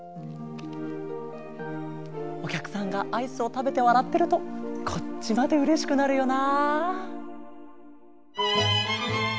おきゃくさんがアイスをたべてわらってるとこっちまでうれしくなるよな。